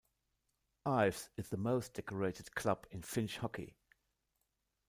Ilves is the most decorated club in Finnish hockey.